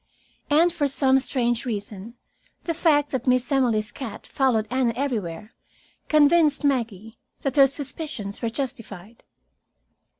And for some strange reason, the fact that Miss Emily's cat followed Anne everywhere convinced Maggie that her suspicions were justified.